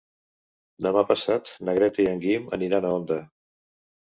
Demà passat na Greta i en Guim aniran a Onda.